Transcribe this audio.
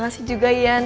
makasih juga ian